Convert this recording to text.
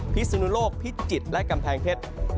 พิศนุโลกพิจิตรและกำแพงเพชร